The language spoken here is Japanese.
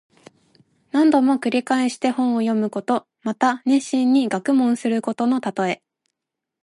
何度も繰り返して本を読むこと。また熱心に学問することのたとえ。